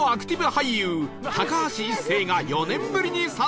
俳優高橋一生が４年ぶりに参戦